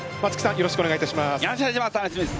よろしくお願いします！